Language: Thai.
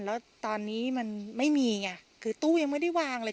แล้วตอนนี้มันไม่มีไงคือตู้ยังไม่ได้วางเลย